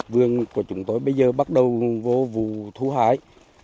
vườn của chúng tôi bây giờ bắt đầu vô vụ thu hái